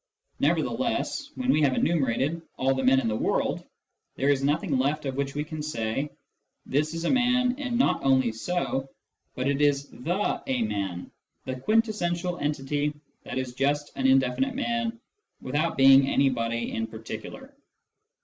Nevertheless, when we have enumerated all the men in the world, there is nothing left of which we can say, " This is a man, and not only so, but it is the ' a man,' the quintes sential entity that is just an indefinite man without being any body in particular."